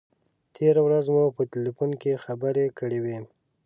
تېره ورځ مو په تیلفون کې خبرې کړې وې.